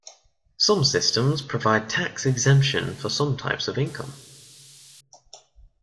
Some systems provide tax exemption for some types of income.